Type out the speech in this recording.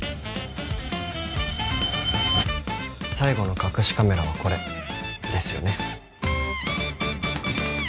最後の隠しカメラはこれですよね？